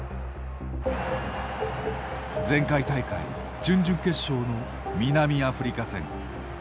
前回大会準々決勝の南アフリカ戦。